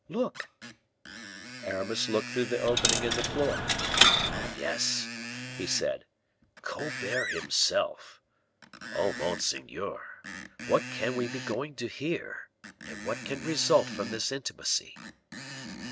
"Look." Aramis looked through the opening in the flooring. "Yes," he said. "Colbert himself. Oh, monseigneur! what can we be going to hear and what can result from this intimacy?"